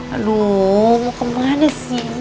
aduh mau kemana sih